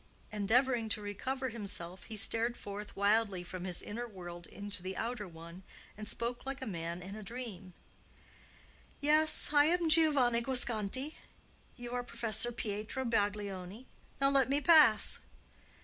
Endeavoring to recover himself, he stared forth wildly from his inner world into the outer one and spoke like a man in a dream. "Yes; I am Giovanni Guasconti. You are Professor Pietro Baglioni. Now let me pass!"